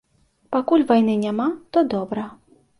Пакуль вайны няма, то добра.